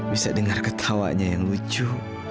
bisa dengar ketawanya yang lucu